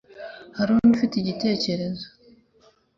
Hari undi ufite igitekerezo?